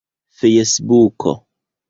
fejsbuko